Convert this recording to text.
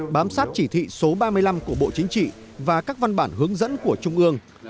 bám sát chỉ thị số ba mươi năm của bộ chính trị và các văn bản hướng dẫn của trung ương